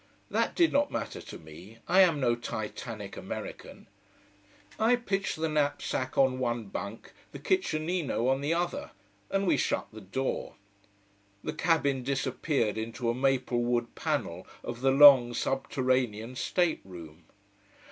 That did not matter to me, I am no Titanic American. I pitched the knapsack on one bunk, the kitchenino on the other, and we shut the door. The cabin disappeared into a maple wood panel of the long, subterranean state room.